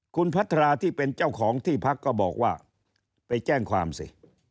คุณพัทราที่เป็นเจ้าของที่พักก็บอกว่าไปแจ้งความสิ